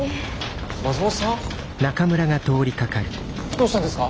どうしたんですか？